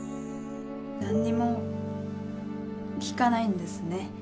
何にも聞かないんですね。